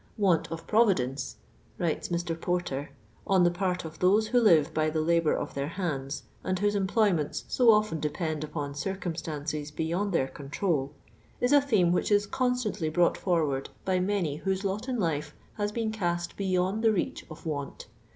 "Want of providence,'* writes Mr. Porter, '* on the part of those who live by the labour of their hands, and whose employ ments so often depend upon circumstances beyond their control, is a themo which is constantly brouaht forward by many whoso lot in life has been cast beyond the reach of want.